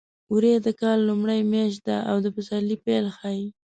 وری د کال لومړۍ میاشت ده او د پسرلي پیل ښيي.